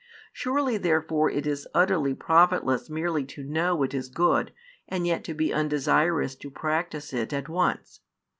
Surely therefore it is utterly profitless merely to know what is good and yet to be undesirous to practise it at once.